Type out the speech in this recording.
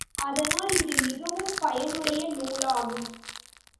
அதனால் இது மிகவும் பயனுடைய நூலாகும்.